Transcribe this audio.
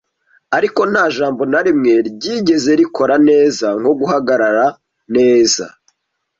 ariko nta jambo na rimwe ryigeze rikora neza nko guhagarara neza.